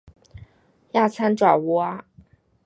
亚参爪哇。